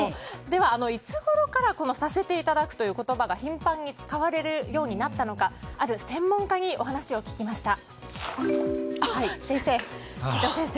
では、いつごろからさせていただくという言葉が頻繁に使われるようになったのかある専門家にお話を聞きました。